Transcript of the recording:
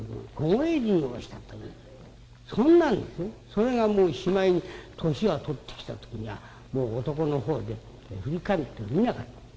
それがもうしまいに年を取ってきた時にはもう男のほうで振り返ってもみなかった。